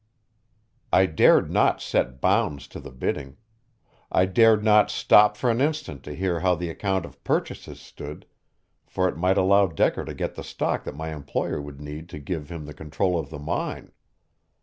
I dared not set bounds to the bidding. I dared not stop for an instant to hear how the account of purchases stood, for it might allow Decker to get the stock that my employer would need to give him the control of the mine.